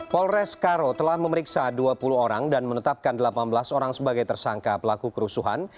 polres karo telah memeriksa dua puluh orang dan menetapkan delapan belas orang sebagai tersangka pelaku kerusuhan